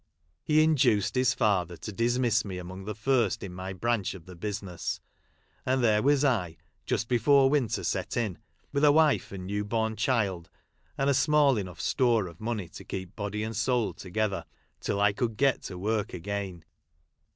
He induced his father to dismiss me among the first in my branch of the business ; and there was I, just before winter set in, with a wife and new born child, and a small enough store of money to keep body and soul together, till I could get to work again.